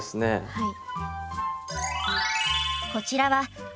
はい。